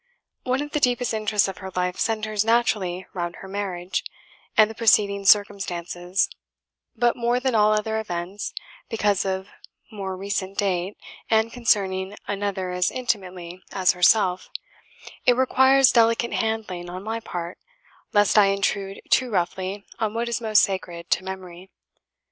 One of the deepest interests of her life centres naturally round her marriage, and the preceding circumstances; but more than all other events (because of more recent date, and concerning another as intimately as herself), it requires delicate handling on my part, lest I intrude too roughly on what is most sacred to memory.